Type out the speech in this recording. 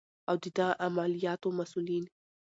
او د دغه عملیاتو مسؤلین